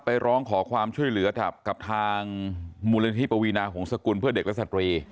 ไปร้องขอความช่วยเหลือจากกับทางมูลนิทธิปวีนาของสกุลเพื่อเด็กและสัตว์ประโยชน์